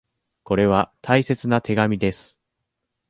これは大切な手紙です。